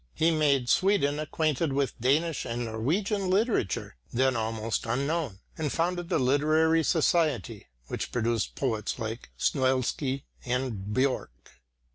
He made Sweden acquainted with Danish and Norwegian literature, then almost unknown, and founded the literary society which produced poets like Snoilsky and Björck.